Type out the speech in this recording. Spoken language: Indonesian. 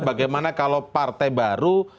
bagaimana kalau partai baru